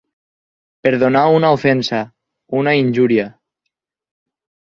Perdonar una ofensa, una injúria.